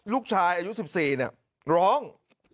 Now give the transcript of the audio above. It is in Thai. ลูกชายอายุ๑๔ร้อง